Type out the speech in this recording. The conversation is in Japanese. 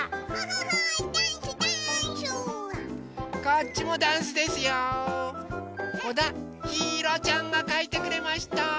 こだひいろちゃんがかいてくれました。